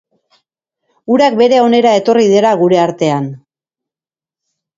Urak bere onera etorri dira gure artean.